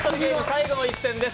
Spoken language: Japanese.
最後の一戦です。